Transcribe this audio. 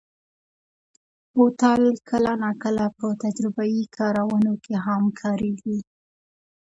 بوتل کله ناکله په تجربهيي کارونو کې هم کارېږي.